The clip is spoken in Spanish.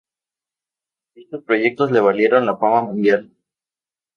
Dichos proyectos le valieron la fama mundial.